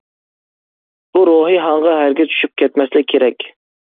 بۇ روھىي ھاڭغا ھەرگىز چۈشۈپ كەتمەسلىك كېرەك.